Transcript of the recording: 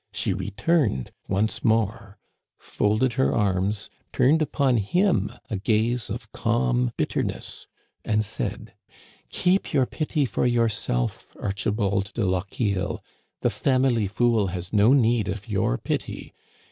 She returned once more, folded her arms, turned upon him a gaze of calm bitter ness, and said :'* Keep your pity for yourself, Archibald de Lochiel. The family fool has no need of your pity